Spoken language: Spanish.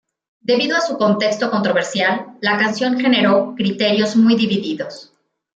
Debido a su contexto controversial, la canción generó criterios muy divididos.